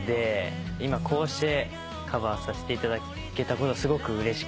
今こうしてカバーさせていただけたことがすごくうれしかったです